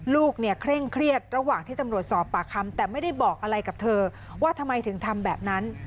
ลูกเนี่ยเคร่งเครียดระหว่างที่ตำรวจสอบปากคำแต่ไม่ได้บอกอะไรกับเธอว่าทำไมถึงทำแบบนั้น